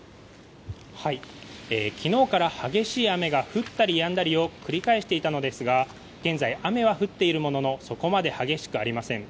昨日から激しい雨が降ったりやんだりを繰り返していたのですが現在、雨は降っているもののそこまで激しくありません。